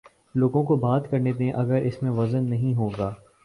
لوگوں کو بات کر نے دیں اگر اس میں وزن نہیں ہو گا۔